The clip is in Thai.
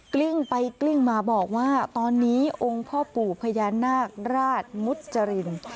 กลิ้งไปกลิ้งมาบอกว่าตอนนี้องค์พ่อปู่พญานาคราชมุจริน